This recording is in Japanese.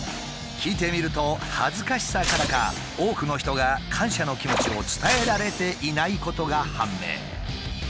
聞いてみると恥ずかしさからか多くの人が感謝の気持ちを伝えられていないことが判明。